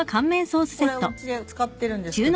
これうちで使ってるんですけど。